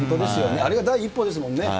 あれが第一歩ですからね。